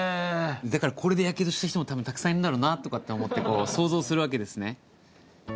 だからこれでヤケドした人も多分たくさんいるんだろうなとかって思ってこう想像するわけですね。